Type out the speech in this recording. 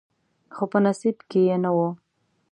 خو په نصیب کې یې نه و.